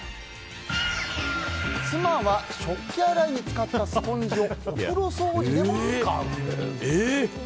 妻は食器洗いに使ったスポンジをお風呂掃除でも使う。